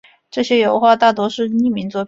这些油画大多是匿名作品。